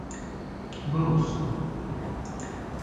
грустно